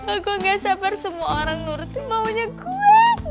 aku gak sabar semua orang nurutin maunya kuat